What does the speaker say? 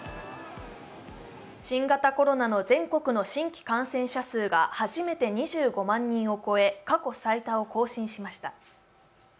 新型コロナの全国の新規感染者数が初めて２５万人を超え、過去最多を更新しました。